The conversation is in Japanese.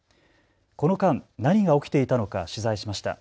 この間、何が起きていたのか取材しました。